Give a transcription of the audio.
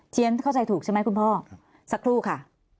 ฉันเข้าใจถูกใช่ไหมคุณพ่อสักครู่ค่ะ